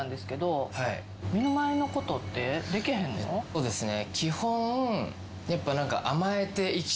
そうですね。